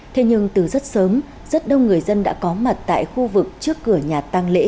thế nhưng từ rất sớm rất đông người dân đã có mặt tại khu vực trước cửa nhà tăng lễ